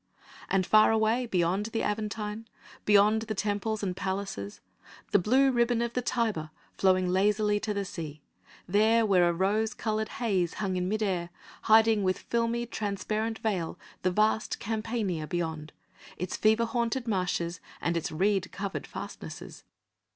And far away beyond the Aventine, beyond the temples and palaces, the blue ribbon of the Tiber flowing lazily to the sea: there where a rose coloured haze hung in mid air, hiding with filmy, transparent veil the vast Campania beyond, its fever haunted marshes and its reed covered fastnesses.